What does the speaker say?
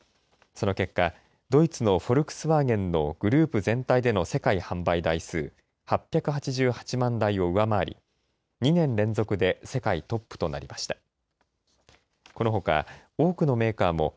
その結果、ドイツのフォルクスワーゲンのグループ全体での世界販売台数８８８万台を上回り２年連続で世界トップとなりました。